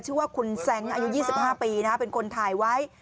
ชื่อว่าคุณแซงอายุยี่สิบห้าปีนะเป็นคนถ่ายไว้